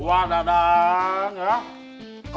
wah dadang ya